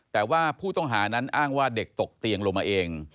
แต่ว่าผู้ต้องหานั้นอ้างว่าเด็กตกเตียงลงมาเอง